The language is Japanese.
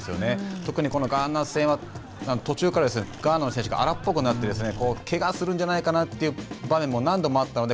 特にこのガーナ戦は途中からガーナの選手が荒っぽくなってけがするんじゃないかなという場面も何度もあったので。